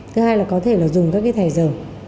thứ hai là có thể là dùng các cái thẻ giờ